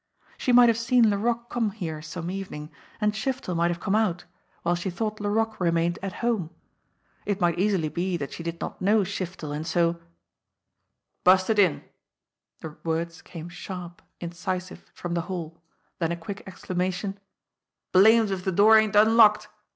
She might have seen Laroque come here some evening end Shiftel might have come out while she thought Larogue 42 JIMMIE DALE AND THE PHANTOM CLUE remained at home. It might easily be that she did not know Shiftel, and so "Bust it in!" The words came sharp, incisive, from the hall; then a quick exclamation: "Blamed if the door ain't unlocked